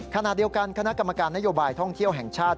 ขณะเดียวกันคณะกรรมการนโยบายท่องเที่ยวแห่งชาติ